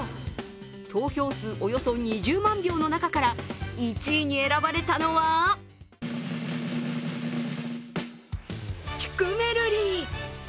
投票数およそ２０万票の中から１位に選ばれたのはシュクメルリ！